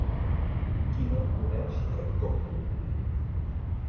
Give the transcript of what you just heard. Qui no et coneix, que et compre.